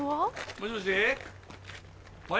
もしもし？